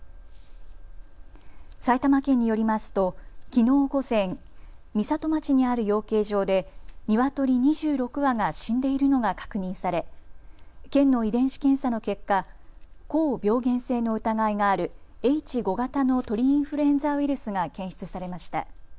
埼玉県によりますときのう午前、美里町にある養鶏場でニワトリ２６羽が死んでいるのが確認され県の遺伝子検査の結果、高病原性の疑いがあるＨ５型の鳥インフルエンザウイルスが検出されました。